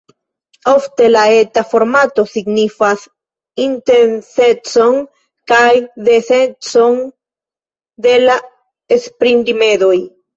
Ofte la eta formato signifas intensecon kaj densecon de la esprimrimedoj.